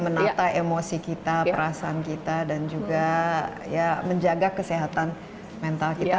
menata emosi kita perasaan kita dan juga ya menjaga kesehatan mental kita